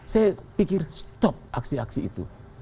saya pikir stop aksi aksi itu